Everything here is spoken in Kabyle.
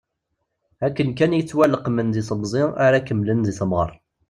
Akken kan i ttwaleqmen deg temẓi ara kemmlen deg temɣer.